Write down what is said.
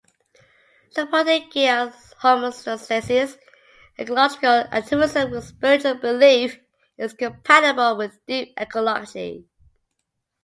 Supporting Gaia's homeostasis, ecological activism, with spiritual belief is compatible with Deep ecology.